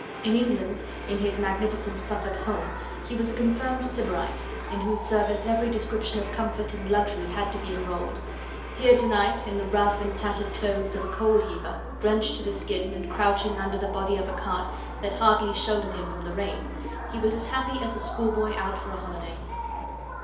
In England, in his magnificent Suffolk home, he was a confirmed sybarite, in whose service every description of comfort and luxury had to be enrolled. Here tonight in the rough and tattered clothes of a coal heaver, drenched to the skin, and crouching under the body of a cart that hardly sheltered him from the rain, he was as happy as a schoolboy out for a holiday.